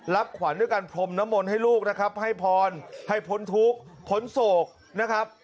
รับขวัญด้วยกันพรมนมลให้ลูกนะครับให้พรให้ผลทุกข์ผลโศกนะครับ